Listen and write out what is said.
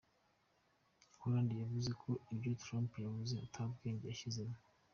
Hollande yavuze ko ivyo Trump yavuze ata bwenge yashizemwo.